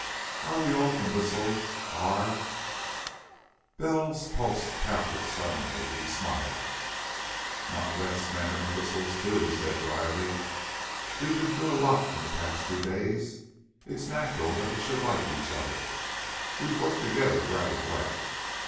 "Are we all imbeciles? Are " Bell's pulse pounded suddenly. He smiled. "Not unless men are imbeciles too," he said dryly. "We've been through a lot in the past two days. It's natural that we should like each other. We've worked together rather well.